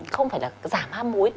không phải là giảm ham mối